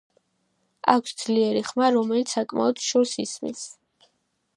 აქვს ძლიერი ხმა, რომელიც საკმაოდ შორს ისმის.